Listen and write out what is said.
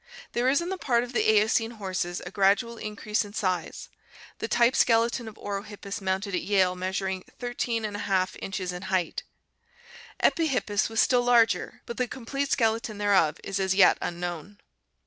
There is on the part of the Eocene horses a gradual increase in size, the type skeleton of Orohippus mounted at Yale measuring 13 # inches in height; Epihippus was still larger, but the complete skeleton thereof is as yet unknown.